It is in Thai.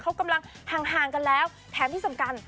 เขากำลังห่างกันแล้วแถมที่สำคัญ